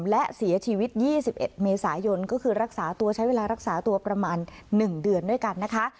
และเสียชีวิต๒๑เมษายนก็คือรักษาตัวใช้เวลารักษาตัวประมาณ๑เดือนด้วยกันนะคะ